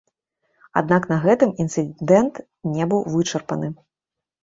Аднак на гэтым інцыдэнт не быў вычарпаны.